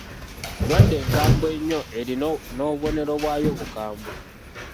Ndwadde nkambwe nnyo erina n'obubonero bwayo bukambwe.